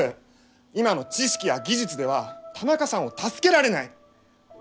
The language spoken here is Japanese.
今の知識や技術では田中さんを助けられない。